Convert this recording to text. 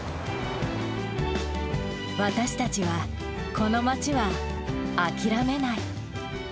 私たちは、この街は、諦めない。